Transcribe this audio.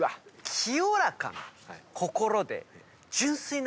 清らかな心で。